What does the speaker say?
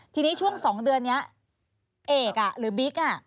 ทีนี้ช่วงสองเดือนเนี้ยเอกอ่ะหรือบิ๊กอ่ะ